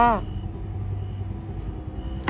จับชุดจบ